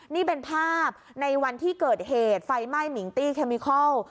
นี่เป็นภาพในวันที่เกิดเหตุไฟไหม้มิงตี้เคมิคอล